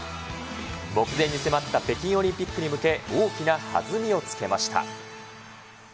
目前に迫った北京オリンピックへ向け、大きなはずみをつけました。